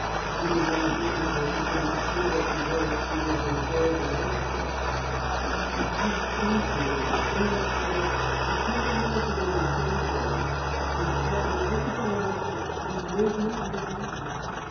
He was angry because he could not see that to her it was an affair of life and death. "Oh, don't you understand, father? You can't imagine what he's done for me. He's taught me everything I know, he's made me what I am."